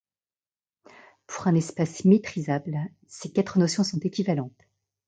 Pour un espace métrisable, ces quatre notions sont équivalentes.